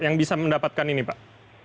yang bisa mendapatkan ini pak